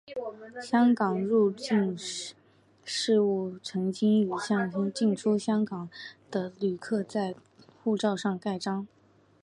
香港入境事务处曾经为进出香港的旅客在护照上盖章。